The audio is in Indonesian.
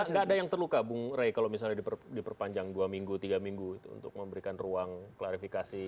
nggak ada yang terluka bung rey kalau misalnya diperpanjang dua minggu tiga minggu itu untuk memberikan ruang klarifikasi